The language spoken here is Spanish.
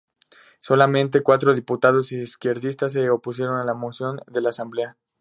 Solamente cuatro diputados izquierdistas se opusieron a la moción de la Asamblea.